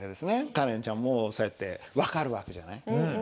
カレンちゃんもそうやって分かる訳じゃない？